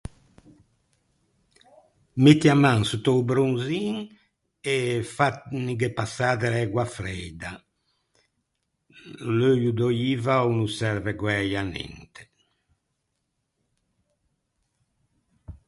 Metti a man sott’a-o bronzin e fannighe passâ de l’ægua freida, l’euio d’öiva o no serve guæi à ninte.